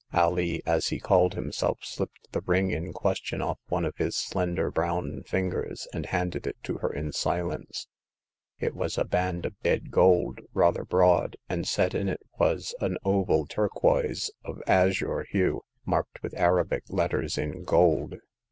Alee, as he called himself, slipped the ring in question off one of his slender brown fingers, and handed it to her in silence. It was a band of dead gold, rather broad, and set in it was an oval turquoise of azure hue, marked with Arabic letters in gold.